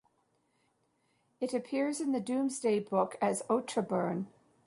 It appears in the Domesday Book as Otrebourne.